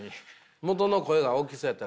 元の声が大きそうやった。